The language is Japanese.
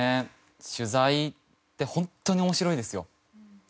取材って本当に面白いですよ。